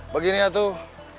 begini ya tuh